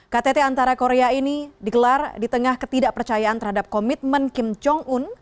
ktt antara korea ini digelar di tengah ketidakpercayaan terhadap komitmen kim jong un